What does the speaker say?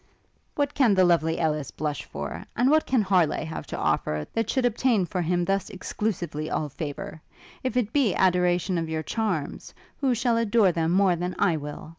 'What can the lovely Ellis blush for? And what can Harleigh have to offer, that should obtain for him thus exclusively all favour? If it be adoration of your charms, who shall adore them more than I will?